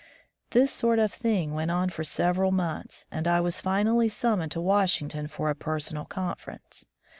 This sort of thing went on for several months, and I was finally summoned to Washington for a personal conference.